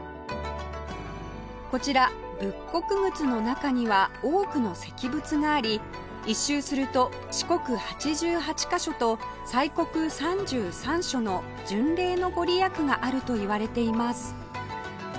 こちら仏国窟の中には多くの石仏があり１周すると四国八十八カ所と西国三十三所の巡礼の御利益があるといわれています